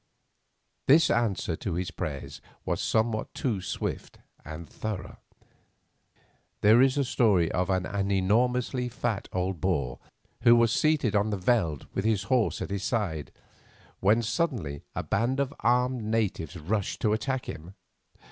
This answer to his prayers was somewhat too swift and thorough. There is a story of an enormously fat old Boer who was seated on the veld with his horse at his side, when suddenly a band of armed natives rushed to attack him.